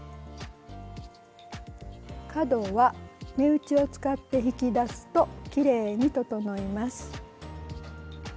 角は目打ちを使って引き出すときれいに整います。